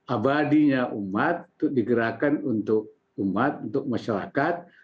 abadinya umat itu digerakkan untuk umat untuk masyarakat